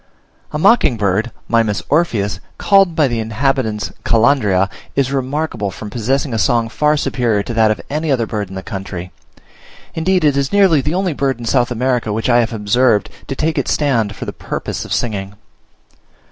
A mocking bird (Mimus orpheus), called by the inhabitants Calandria, is remarkable, from possessing a song far superior to that of any other bird in the country: indeed, it is nearly the only bird in South America which I have observed to take its stand for the purpose of singing.